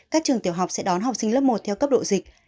các trường tiểu học sẽ đón học sinh lớp một theo cấp độ dịch